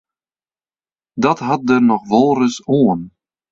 Dat hat der noch wolris oan.